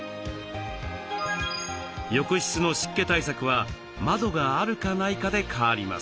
浴室の湿気対策は窓があるかないかで変わります。